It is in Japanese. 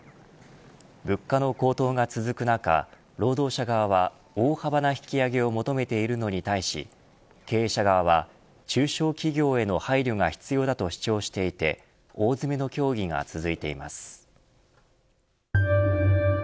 物価の高騰が続く中労働者側は大幅な引き上げを求めているのに対し経営者側は中小企業への配慮が必要だと主張していて大詰めの協議が続いています。